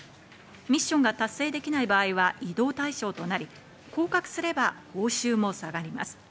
ミッションが達成できない場合は異動対象となり、降格すれば報酬も下がります。